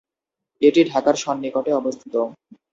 এটি ঢাকার সন্নিকটে অবস্থিত।